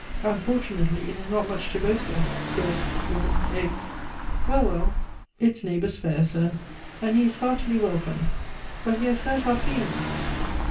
Unfortunately, it is not much to boast of bread, milk, eggs. Well, well; it's neighbors' fare, sir. And he is heartily welcome. But he has hurt our feelings."